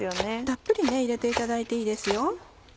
たっぷり入れていただいていいですよ。